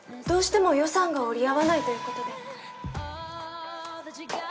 どうしても予算が折り合わないということで。